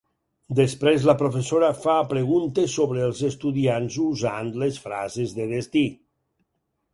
Després la professora fa preguntes sobre els estudiants usant les frases de destí.